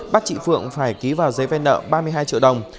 bắt chị phượng phải ký vào giấy vai nợ ba mươi hai triệu đồng